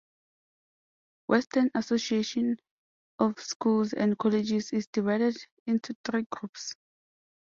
Western Association of Schools and Colleges is divided into three groups.